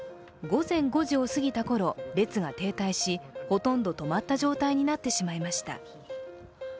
午前５時を過ぎたころ列が停滞しほとんど止まった状態になってしまいました。